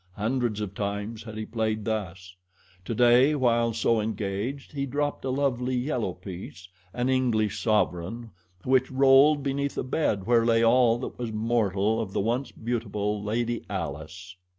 Hundreds of times had he played thus. Today, while so engaged, he dropped a lovely yellow piece an English sovereign which rolled beneath the bed where lay all that was mortal of the once beautiful Lady Alice.